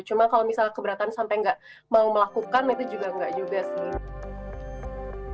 cuma kalau misalnya keberatan sampai nggak mau melakukan itu juga enggak juga sih